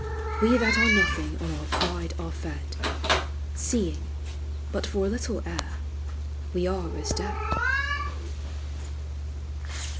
We that are nothing on our pride are fed, Seeing, but for a little air, we are as dead.